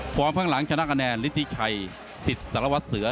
พร้อมฝั่งหลังชนะคะแนนฤทธิไทยศิษย์สละวัดเสือ